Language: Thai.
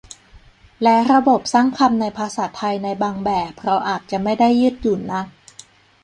และระบบสร้างคำในภาษาไทยในบางแบบเราอาจจะไม่ได้ยืดหยุ่นนัก